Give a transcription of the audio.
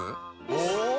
お！